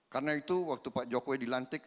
karena itu waktu pak jokowi dilantik